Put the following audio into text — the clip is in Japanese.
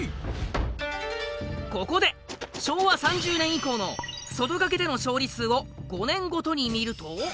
ここで昭和３０年以降の外掛けでの勝利数を５年ごとに見ると。